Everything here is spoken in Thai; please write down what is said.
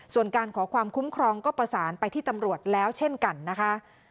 ส่วนการขอความคุ้มครองก็ประสานไปที่ตำรวจแล้วเช่นกันนะคะ